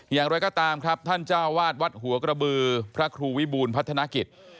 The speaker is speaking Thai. อย่างไรก็ตามครับท่านเจ้าวาดวัดหัวกระบือพระครูวิบูรณพัฒนกิจ